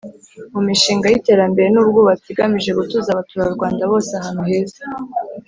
mu mishinga yiterambere nubwubatsi igamije gutuza abaturarwanda bose ahantu heza